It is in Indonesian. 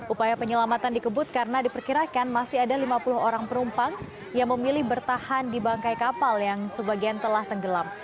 upaya penyelamatan dikebut karena diperkirakan masih ada lima puluh orang penumpang yang memilih bertahan di bangkai kapal yang sebagian telah tenggelam